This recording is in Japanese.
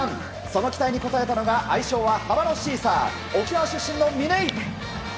その期待に応えたのが愛称はハマのシーサー沖縄出身の嶺井。